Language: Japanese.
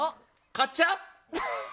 カチャッ！